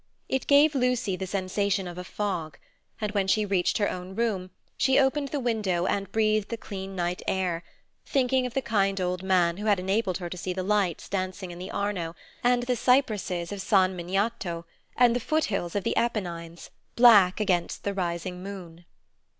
It gave Lucy the sensation of a fog, and when she reached her own room she opened the window and breathed the clean night air, thinking of the kind old man who had enabled her to see the lights dancing in the Arno and the cypresses of San Miniato, and the foot hills of the Apennines, black against the rising moon.